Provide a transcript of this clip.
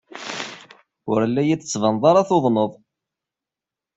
Ur la iyi-tettbaneḍ ara tuḍneḍ.